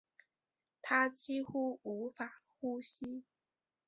她几乎无法呼吸